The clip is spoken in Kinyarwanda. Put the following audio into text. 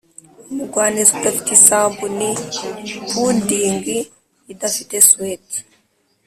umugwaneza udafite isambu ni pudding idafite suet